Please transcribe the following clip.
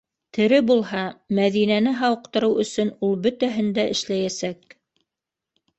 Тере булһа, Мәҙинәне һауыҡтырыу өсөн ул бөтәһен дә эшләйәсәк!